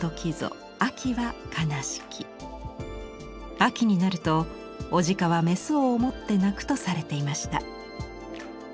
秋になると雄鹿は雌を思って啼くとされていました。